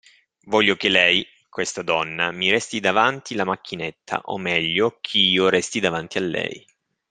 Voglio che lei, questa donna, mi resti davanti la macchinetta, o, meglio, ch'io resti davanti a lei.